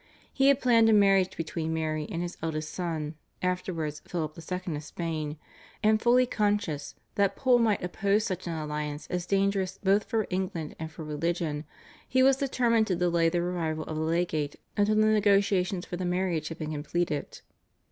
He had planned a marriage between Mary and his eldest son, afterwards Philip II. of Spain, and fully conscious that Pole might oppose such an alliance as dangerous both for England and for religion, he was determined to delay the arrival of the legate until the negotiations for the marriage had been completed.